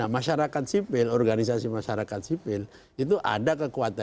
masyarakat sipil organisasi masyarakat sipil itu ada kekuatan